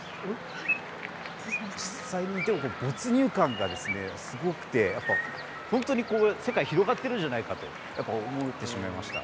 実際にいても没入感がすごくて本当に世界が広がってるんじゃないかって思ってしまいました。